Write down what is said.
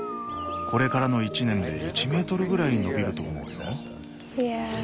これからの１年で１メートルぐらい伸びると思うよ。